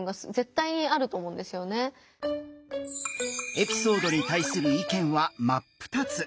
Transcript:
エピソードに対する意見は真っ二つ！